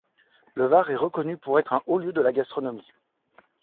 Le Var est reconnu pour être un haut lieu de la gastronomie.